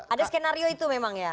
ada skenario itu memang ya